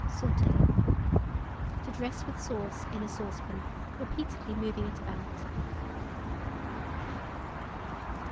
SAUTER. To dress with sauce in a saucepan, repeatedly moving it about.